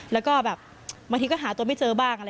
แล้วก็แบบบางทีก็หาตัวไม่เจอบ้างอะไร